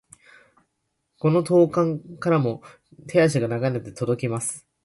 この遠間からも手足が長いので届きます。